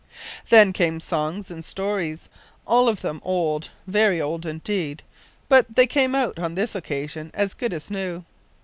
Then came songs and stories all of them old, very old indeed but they came out on this occasion as good as new.